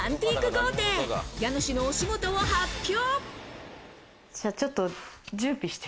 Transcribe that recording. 家主のお仕事を発表。